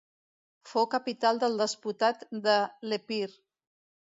Fou capital del despotat de l'Epir.